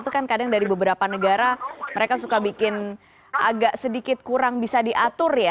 itu kan kadang dari beberapa negara mereka suka bikin agak sedikit kurang bisa diatur ya